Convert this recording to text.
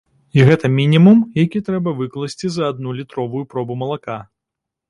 І гэта мінімум, які трэба выкласці за адну літровую пробу малака.